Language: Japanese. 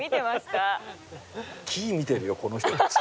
「木見てるよこの人たち」